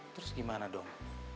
terus gimana dong